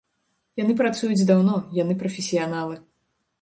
Яны працуюць даўно, яны прафесіяналы.